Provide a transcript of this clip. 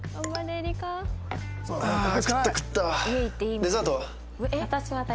デザートは？